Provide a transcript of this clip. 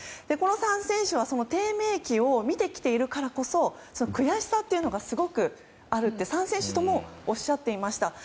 この３選手は低迷期を見てきているからこそ悔しさというのがすごくあるって３選手ともおっしゃっていました。